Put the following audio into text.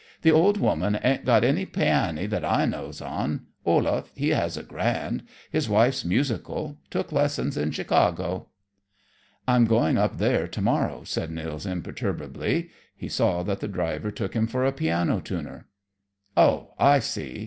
"The old woman ain't got any piany that I knows on. Olaf, he has a grand. His wife's musical; took lessons in Chicago." "I'm going up there to morrow," said Nils imperturbably. He saw that the driver took him for a piano tuner. "Oh, I see!"